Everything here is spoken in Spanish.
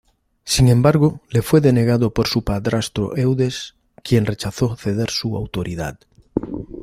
Sin embargo, le fue denegado por su padrastro Eudes, quien rechazó ceder su autoridad.